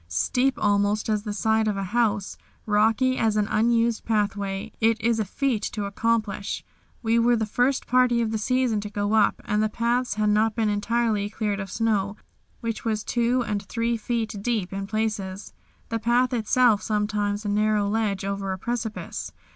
Steep almost as the side of a house, rocky as an unused pathway, it is a feat to accomplish. We were the first party of the season to go up, and the paths had not been entirely cleared of snow, which was two and three feet deep in places, the path itself sometimes a narrow ledge over a precipice.